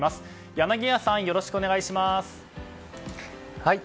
柳谷さん、よろしくお願いします。